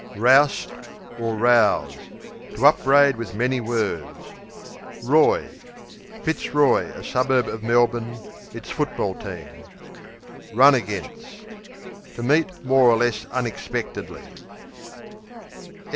Roust, or Rouse To upbraid with many words. 'Roy Fitzroy, a suburb of Melbourne; its football team. Run against To meet more or less unexpectedly.